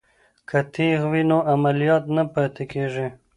که تیغ وي نو عملیات نه پاتې کیږي.